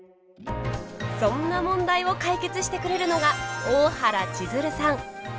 そんな問題を解決してくれるのが大原千鶴さん。